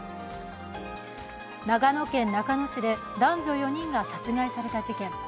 長野県中野市で男女４人が殺害された事件。